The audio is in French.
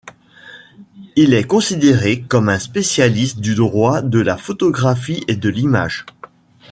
Il est considéré comme un spécialiste du droit de la photographie et de l'image.